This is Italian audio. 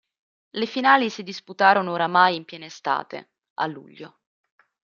Le finali si disputarono oramai in piena estate a luglio.